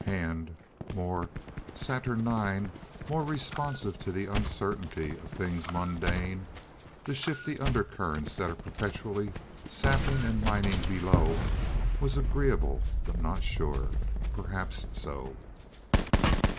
Hand, more saturnine, more responsive to the uncertainty of things mundane—the shifty undercurrents that are perpetually sapping and mining below—was agreeable, but not sure. Perhaps so.